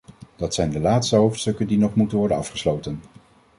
Dat zijn de laatste hoofdstukken die nog moeten worden afgesloten.